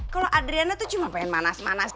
kalau adriana itu cuma pengen manas manas